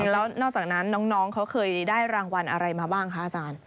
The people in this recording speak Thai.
แล้วนอกจากนั้นน้องเขาเคยได้รางวัลอะไรมาบ้างคะอาจารย์